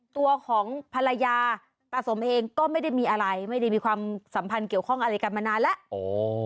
ตัวของภรรยาตาสมเองก็ไม่ได้มีอะไรไม่ได้มีความสัมพันธ์เกี่ยวข้องอะไรกันมานานแล้ว